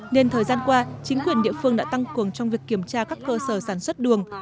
nên thời gian qua chính quyền địa phương đã tăng cường trong việc kiểm tra các cơ sở sản xuất đường